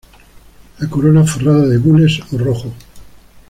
La corona forrada de gules o rojo.